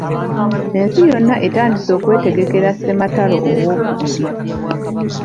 Ensi yonna etandise okwetegekera Ssematalo owookubiri.